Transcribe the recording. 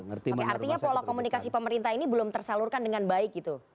oke artinya pola komunikasi pemerintah ini belum tersalurkan dengan baik gitu